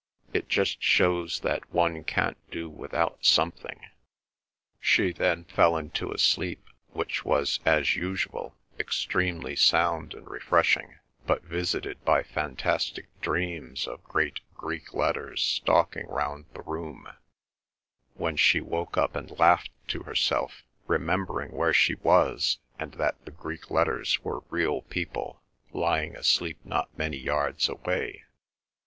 It just shows that one can't do without something." She then fell into a sleep, which was as usual extremely sound and refreshing, but visited by fantastic dreams of great Greek letters stalking round the room, when she woke up and laughed to herself, remembering where she was and that the Greek letters were real people, lying asleep not many yards away.